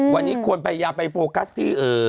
วันนี้ควรพยายามไปโฟกัสที่